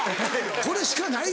「これしかない！」